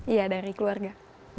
iya dari keluarga